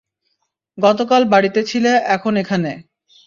গতকাল বাড়িতে ছিলে এখন এখানে।